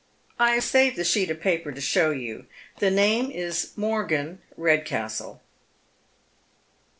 " I have saved the sheet of paper to show you. The name is Morgan, Redcastle."